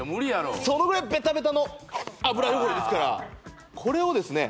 そのぐらいベタベタの油汚れですからこれをですね